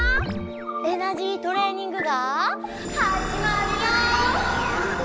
エナジートレーニングがはじまるよ！